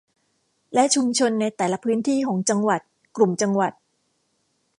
และชุมชนในแต่ละพื้นที่ของจังหวัดกลุ่มจังหวัด